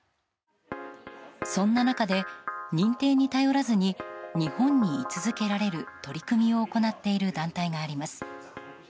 そんな中で、認定に頼らずに日本に居続けられる取り組みを行っている団体があります。